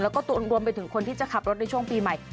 แล้วก็รวมไปถึงคนที่จะขับรถในช่วงปีใหม่